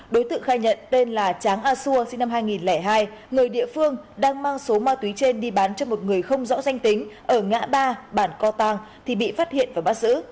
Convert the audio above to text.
đối tượng khai nhận tên là tráng a xua sinh năm hai nghìn hai người địa phương đang mang số ma túy trên đi bán cho một người không rõ danh tính ở ngã ba bản co tăng thì bị phát hiện và bắt giữ